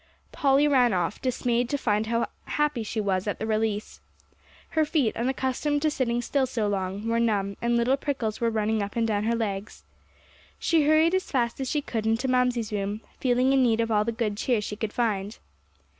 Polly ran off, dismayed to find how happy she was at the release. Her feet, unaccustomed to sitting still so long, were numb, and little prickles were running up and down her legs. She hurried as fast as she could into Mamsie's room, feeling in need of all the good cheer she could find.